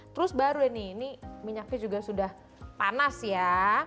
terus baru ini ini minyaknya juga sudah panas ya